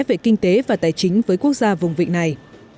về kinh tế và tài chính với quốc gia vùng vịnh này